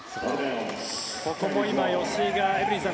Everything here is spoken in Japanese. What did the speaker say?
ここも今、吉井がエブリンさん